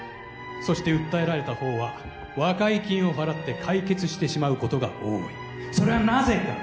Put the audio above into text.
そして訴えられたほうは和解金を払って解決してしまうことが多いそれはなぜか？